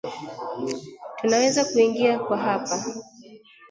Tunaweza kuingia kwa hapa